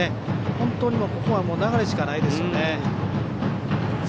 本当にここは流れしかないですね。